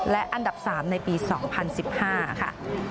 และอันดับ๓ในปี๒๐๑๕ค่ะ